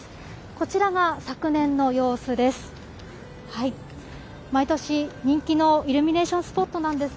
こちらが昨年の様子です。